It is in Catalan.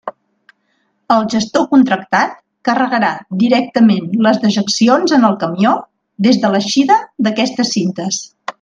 El gestor contractat carregarà directament les dejeccions en el camió des de l'eixida d'aquestes cintes.